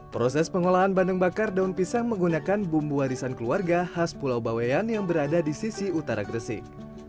proses pengolahan bandeng bakar daun pisang menggunakan bumbu warisan keluarga khas pulau baweyan yang berada di sisi utara gresik